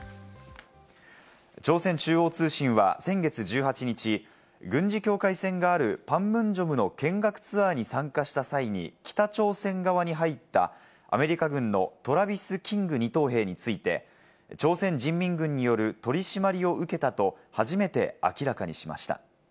朝鮮中央通信は先月１８日、軍事境界線があるパンムンジョムの見学ツアーに参加した際に、北朝鮮側に入ったアメリカ軍のトラビス・キング２等兵について朝鮮人民軍による取り締まりを受けたと初めて明らかにしました。